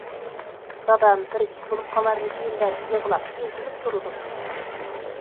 دادام بىر ئىش بولۇپ قالارمىكىن دەپ يىغلاپ ئېزىلىپ تۇرىدۇ.